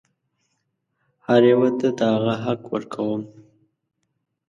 هر یوه ته د هغه حق ورکوم.